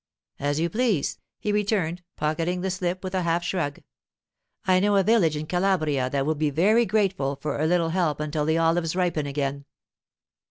'As you please,' he returned, pocketing the slip with a half shrug. 'I know a village in Calabria that will be very grateful for a little help until the olives ripen again.